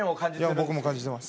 僕も感じてます。